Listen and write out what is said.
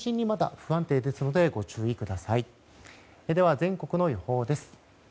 では、全国の予報です。